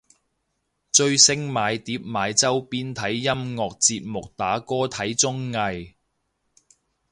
追星買碟買周邊睇音樂節目打歌睇綜藝